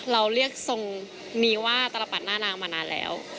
เราเรียกทรงนี้ว่าตลปัดหน้านางมานานแล้ว